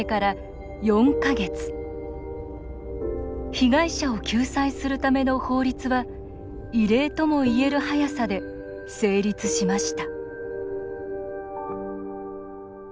被害者を救済するための法律は異例ともいえる早さで成立しました。